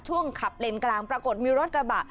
ขับเลนกลางปรากฏมีรถกระบะ